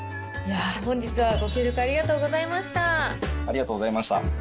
本日はご協力ありがとうございました。